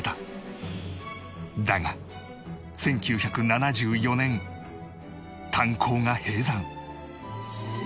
だが１９７４年炭鉱が閉山